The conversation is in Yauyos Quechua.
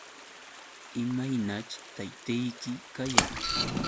¿Imaynaćh taytayki kayan?